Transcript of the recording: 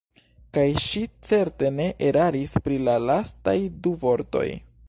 Kaj ŝi certe ne eraris pri la lastaj du vortoj.